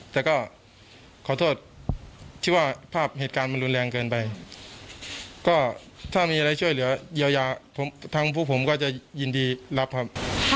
แต่ก็ขอโทษที่ว่าภาพเหตุการณ์มันรุนแรงเกินไปก็ถ้ามีอะไรช่วยเหลือเยียวยาทางพวกผมก็จะยินดีรับครับ